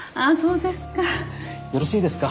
よろしいですか？